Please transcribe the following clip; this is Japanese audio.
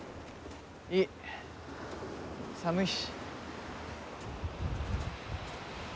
いい寒いし。